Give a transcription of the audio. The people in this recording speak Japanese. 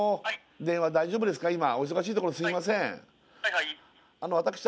電話大丈夫ですか？